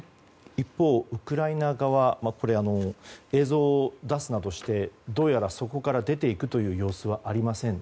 一方、ウクライナ側映像を出すなどしてどうやらそこから出ていくという様子はありません。